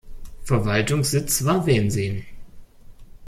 Verwaltungssitz war Wensin.